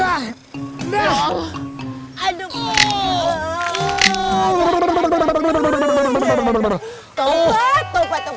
tidur takut lagi bang